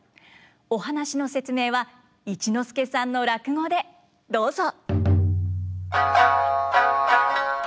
お話の説明は一之輔さんの落語でどうぞ。